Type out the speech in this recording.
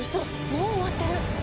もう終わってる！